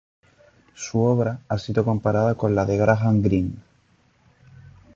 Su obra ha sido comparada con la de Graham Greene.